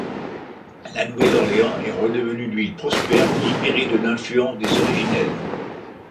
La Nouvelle-Orléans est redevenue une ville prospère, libérée de l'influence des Originels.